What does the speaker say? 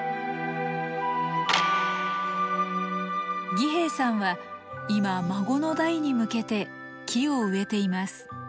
儀兵衛さんは今孫の代に向けて木を植えています。